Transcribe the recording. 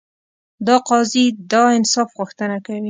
دا قاضي د انصاف غوښتنه کوي.